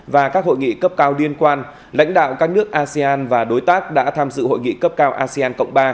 và các hội nghị cấp cao liên quan lãnh đạo các nước asean và đối tác đã tham dự hội nghị cấp cao asean cộng ba